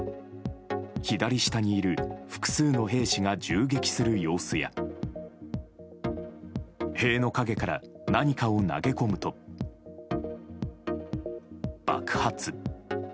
左下にいる複数の兵士が銃撃する様子や塀の陰から何かを投げ込むと爆発。